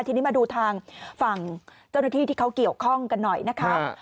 ทีนี้มาดูทางฝั่งเจ้าหน้าที่ที่เขาเกี่ยวข้องกันหน่อยนะคะ